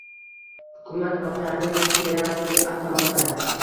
Hukumat voqeani terakt deb atamoqda